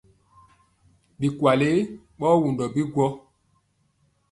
Bikwale ɓɔ yɛ wundɔ biŋgwo sɔrɔ.